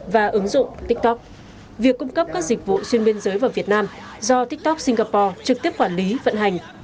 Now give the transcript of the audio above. và ứng dụng tiktok việc cung cấp các dịch vụ xuyên biên giới vào việt nam do tiktok singapore trực tiếp quản lý vận hành